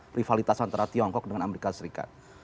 privalitas antara tiongkok dengan amerika serikat